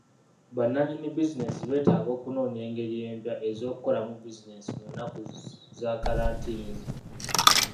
Bannannyini bizinensi beetaaga okunoonya engeri empya ez'okukolamu bizinensi mu nnaku za kalantiini zino.